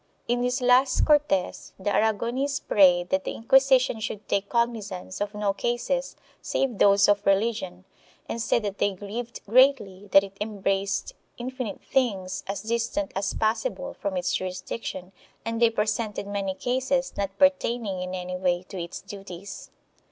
In these last Cortes the Aragonese prayed that the Inquisition should take cognizance of no cases save those of religion and said that they grieved greatly that it embraced infinite things as distant as possible from its jurisdiction and they presented many cases not pertaining in any way to its duties.